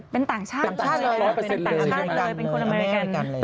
เป็นต่างชาติเลยเป็นต่างชาติเลยเป็นคนอเมริกันเลยค่ะ